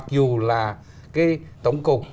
dù là cái tổng cục